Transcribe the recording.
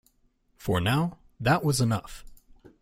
For now, that was enough.